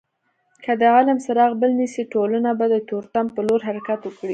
که د علم څراغ بل نسي ټولنه به د تورتم په لور حرکت وکړي.